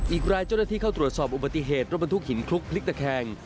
อีกรายเจ้าหน้าที่เข้าตรวจสอบอุบัติเหตุรถบรรทุกหินคลุกพลิกตะแคง